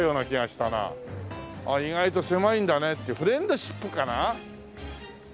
「あっ意外と狭いんだね」ってフレンドシップかな？